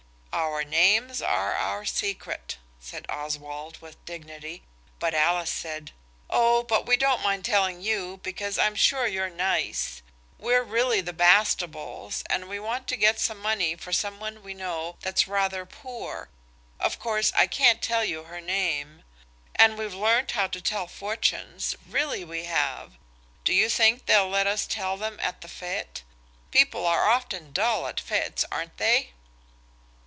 "Our names are our secret," said Oswald, with dignity, but Alice said, "Oh, but we don't mind telling you, because I'm sure you're nice. We're really the Bastables, and we want to get some money for some one we know that's rather poor–of course I can't tell you her name. And we've learnt how to tell fortunes–really we have. Do you think they'll let us tell them at the fête. People are often dull at fêtes, aren't they?"